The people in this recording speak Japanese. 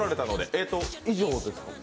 えと、以上ですか？